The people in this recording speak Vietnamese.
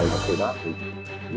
rất là buồn